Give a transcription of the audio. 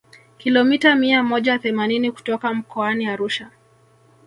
kilomita mia moja themanini kutoka mkoani Arusha